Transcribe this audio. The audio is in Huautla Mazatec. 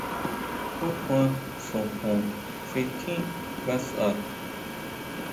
¿Ju kjuan xojon xi tjín ngasʼa?